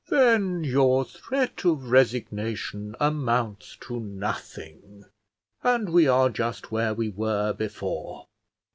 "Then your threat of resignation amounts to nothing, and we are just where we were before."